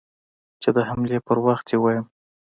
چې د حملې پر وخت يې ووايم.